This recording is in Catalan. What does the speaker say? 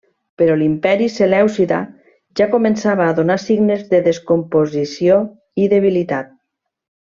Però l'imperi selèucida ja començava a donar signes de descomposició i debilitat.